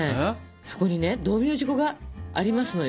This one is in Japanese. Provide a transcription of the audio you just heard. そこにね道明寺粉がありますのよ。